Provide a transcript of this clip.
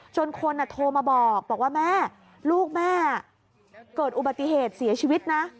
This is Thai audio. คนโทรมาบอกว่าแม่ลูกแม่เกิดอุบัติเหตุเสียชีวิตนะ